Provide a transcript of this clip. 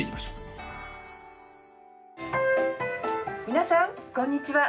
皆さん、こんにちは。